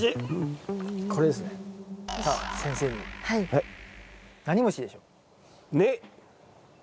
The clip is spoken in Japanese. はいはい。